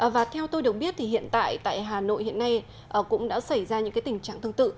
và theo tôi được biết thì hiện tại tại hà nội hiện nay cũng đã xảy ra những tình trạng tương tự